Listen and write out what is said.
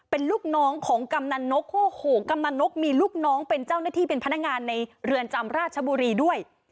เป็นลูกน้องของกำนันนกโอ้โหกำนันนกมีลูกน้องเป็นเจ้าหน้าที่เป็นพนักงานในเรือนจำราชบุรีด้วย